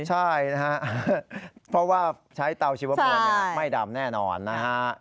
ใช่นะฮะเพราะว่าใช้เตาชีวมวลไม่ดำแน่นอนนะฮะ